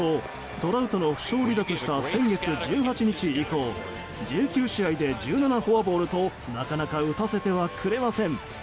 トラウトの負傷離脱した、先月１８日以降１９試合で１７フォアボールとなかなか打たせてはくれません。